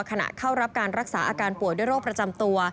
เข้ารับการรักษาอาการป่วยด้วยโรคประจำตัว